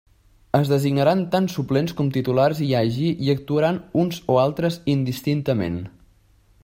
Es designaran tants suplents com titulars hi hagi i actuaran uns o altres indistintament.